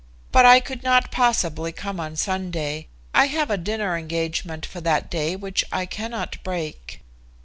"But I could not possibly come on Sunday. I have a dinner engagement for that day which I cannot break."